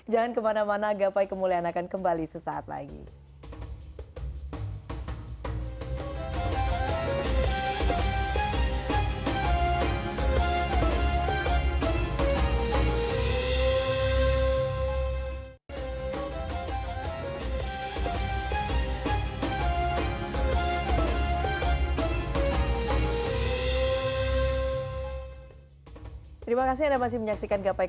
jangan kemana mana agapai kemuliaan akan kembali sesaat lagi